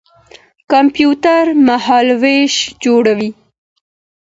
کمپيوټر مهالوېش جوړوي.